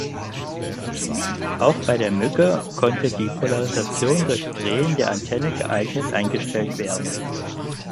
Auch bei der Mücke konnte die Polarisation durch Drehen der Antenne geeignet eingestellt werden.